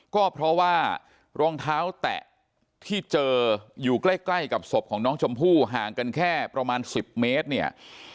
ก็เพราะว่ารองเท้าแตะที่เจออยู่ใกล้กับศพของน้องชมพู่ห่างกันแค่ประมาณ๑๐เมตรเนี่ย